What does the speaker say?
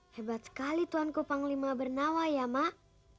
hebat sekali tuhanku panglima bernawa ya mak